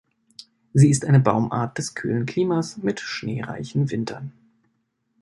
Sie ist eine Baumart des kühlen Klimas mit schneereichen Wintern.